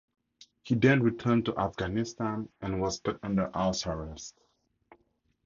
He then returned to Afghanistan and was put under house arrest.